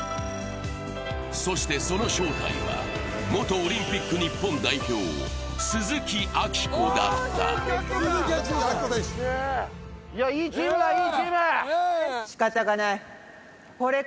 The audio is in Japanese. そしてその正体は元オリンピック日本代表鈴木明子だったいやいいチームだいいチーム